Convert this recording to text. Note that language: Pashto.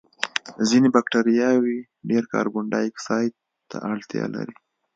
ځینې بکټریاوې ډېر کاربن دای اکسایډ ته اړتیا لري.